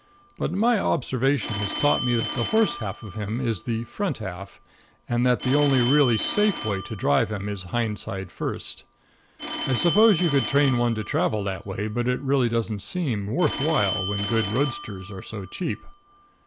But my observation has taught me that the horse half of him is the front half, and that the only really safe way to drive him is hind side first. I suppose that you could train one to travel that way, but it really doesn't seem worth while when good roadsters are so cheap.